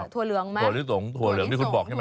ถั่เหลืองไหมถั่ลิสงถั่วเหลืองนี่คุณบอกใช่ไหม